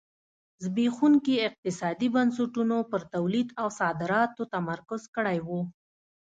زبېښونکو اقتصادي بنسټونو پر تولید او صادراتو تمرکز کړی و.